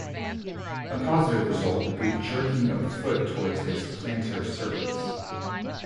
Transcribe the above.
A positive result would be the jerking of the foot towards its plantar surface.